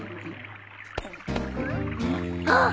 あっ！